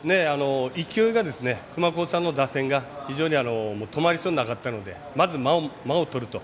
勢いが、熊工さんの打線が非常に止まりそうになかったのでまず、間をとると。